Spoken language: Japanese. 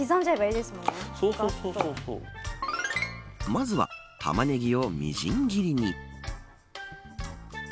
まずは、タマネギをみじん切りに。